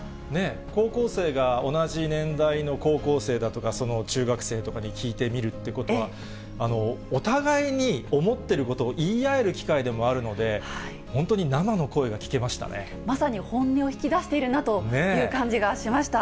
高校生が同じ年代の高校生だとか、中学生とかに聞いてみるっていうことは、お互いに思ってることを言い合える機会でもあるので、本当に生のまさに本音を引き出しているなという感じがしました。